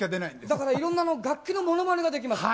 「だからいろんなあの楽器のモノマネができます」